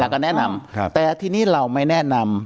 ก็แนะนำแต่ทีนี้เราไม่แนะนำ